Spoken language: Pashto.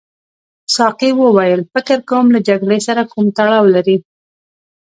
ساقي وویل فکر کوم له جګړې سره کوم تړاو لري.